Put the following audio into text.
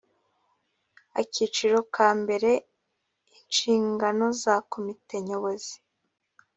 akiciro ka mbere inshingano za komite nyobozi